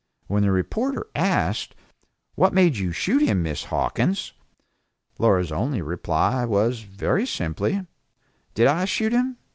When the reporter asked: "What made you shoot him, Miss Hawkins?" Laura's only reply was, very simply, "Did I shoot him?